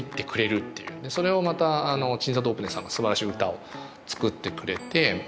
それをまた鎮座ＤＯＰＥＮＥＳＳさんがすばらしい歌を作ってくれて。